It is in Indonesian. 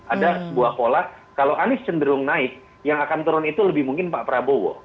ada sebuah pola kalau anies cenderung naik yang akan turun itu lebih mungkin pak prabowo